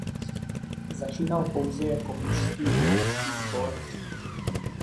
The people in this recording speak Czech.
Začínal pouze jako mužský pěvecký sbor.